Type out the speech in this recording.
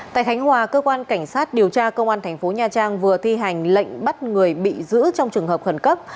tại khánh hòa cơ quan cảnh sát điều tra công an thành phố nha trang vừa thi hành lệnh bắt người bị giữ trong trường hợp khẩn cấp